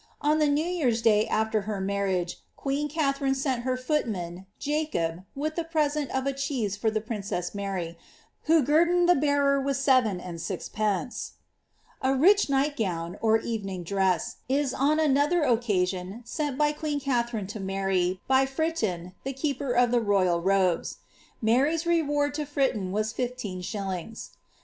On the New year''s day after her marriage,' qneen Ka tharine sent her footman, Jacob, with the present of a cheese for tks princess M;ir\ , who guerdoned the bearer with seven and sixpence. A rich night gown, or evening dress, is on another occasion sent by queen Katliarine to Mary, by Fritton, the keeper of the royal robo: Mar}''s reward to Fritton was fifteen shillings.